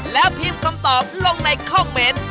แล้วพิมพ์คำตอบลงในคอมเมนต์